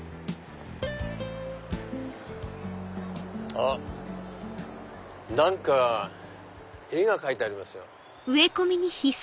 あっ何か絵が描いてありますよ。